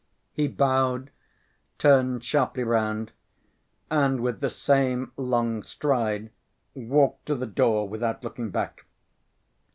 He bowed, turned sharply round, and with the same long stride walked to the door without looking back.